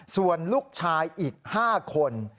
ส่วนลูกชายอีก๕คน